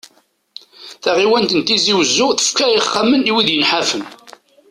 Taɣiwant n Tizi wezzu tefka ixxamen i wid yenḥafen.